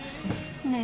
ねえ。